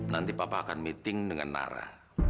nanti papa akan meeting dengan nara